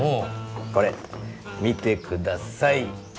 これ見てください。